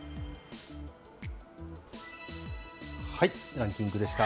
ランキングでした。